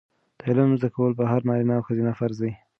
د علم زده کول په هر نارینه او ښځینه فرض دي.